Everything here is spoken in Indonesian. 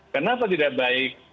kenapa tidak baik